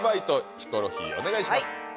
ヒコロヒーお願いします。